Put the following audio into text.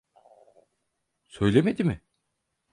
Söylemedi mi?